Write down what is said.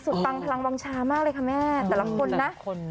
รู้สึกตังค์พลังวางชามากเลยค่ะแม่แต่ละคนนะ